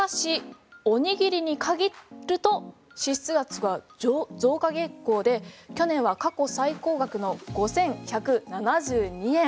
しかしおにぎりに限ると支出額が増加傾向で去年は過去最高額の５１７２円。